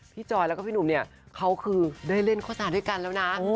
จอยแล้วก็พี่หนุ่มเนี่ยเขาคือได้เล่นโฆษาด้วยกันแล้วนะ